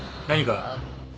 何か？